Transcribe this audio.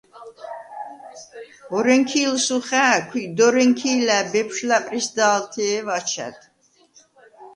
ორენქი̄ლსუ ხა̄̈ქვ ი დორენქი̄ლა̈ ბეფშვ ლა̈პრისდა̄ლთე̄ვ აჩა̈დ.